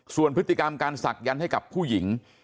ส่วนพฤติกรรมการศักยันต์ให้กับผู้หญิง